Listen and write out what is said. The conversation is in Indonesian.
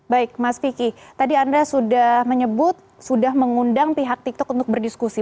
baik mas vicky tadi anda sudah menyebut sudah mengundang pihak tiktok untuk berdiskusi